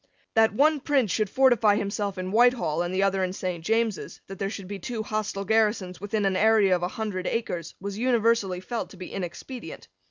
That one prince should fortify himself in Whitehall and the other in Saint James's, that there should be two hostile garrisons within an area of a hundred acres, was universally felt to be inexpedient.